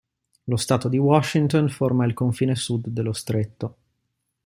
Lo Stato di Washington forma il confine sud dello stretto.